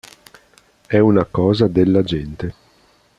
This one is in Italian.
È una cosa della gente".